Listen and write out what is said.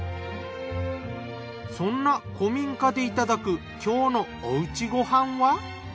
そんな古民家でいただく今日のお家ご飯は？